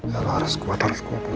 ya allah harus kuat harus kuat